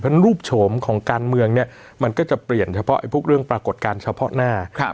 เพราะรูปโฉมของการเมืองเนี่ยมันก็จะเปลี่ยนเฉพาะพวกเรื่องปรากฏการณ์เฉพาะหน้า